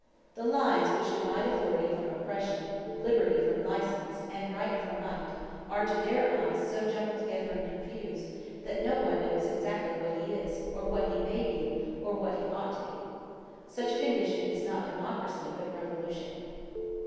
The lines which divide authority from oppression, liberty from license, and right from might, are to their eyes so jumbled together and confused, that no one knows exactly what he is, or what he may be, or what he ought to be. Such a condition is not democracy, but revolution.